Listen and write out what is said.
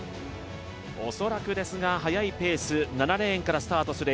恐らくですが速いペース、７レーンからスタートえる